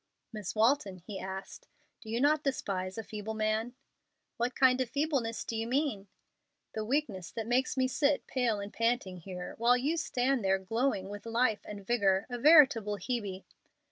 "Miss Walton," he asked, "do you not despise a feeble man?" "What kind of feebleness do you mean?" "The weakness that makes me sit pale and panting here, while you stand there glowing with life and vigor, a veritable Hebe."